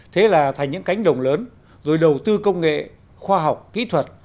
thế là thành những cánh đồng lớn rồi đầu tư công nghệ khoa học kỹ thuật